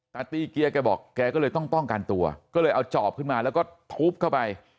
ตาตีเกียร์แกบอกแกก็เลยต้องป้องกันตัวก็เลยเอาจอบขึ้นมาแล้วก็ทุบเข้าไป